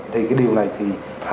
thì cái điều này thì